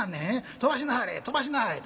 飛ばしなはれ飛ばしなはれ』って。